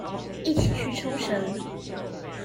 一起去沖繩